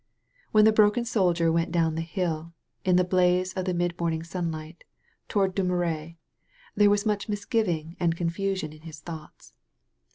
When the broken soldier went down the hill, in the bla2se of the mid morning simlight, toward Dom remy, there was much misgiving and confusion in his thoughts.